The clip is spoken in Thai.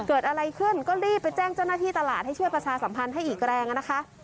เกิดอะไรขึ้นก็รีบไปแจ้งเจ้าหน้าที่ตลาดให้ช่วยประชาสัมพันธ์ให้อีกแรงนะคะ